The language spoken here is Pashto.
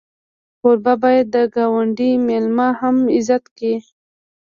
کوربه باید د ګاونډي میلمه هم عزت کړي.